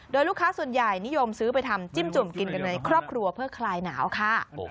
โดยลูกค้าส่วนใหญ่นิยมซื้อไปทำจิ้มจุ่มกินกันในครอบครัวเพื่อคลายหนาวค่ะ